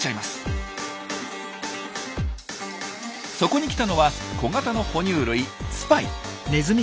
そこに来たのは小型の哺乳類ツパイ。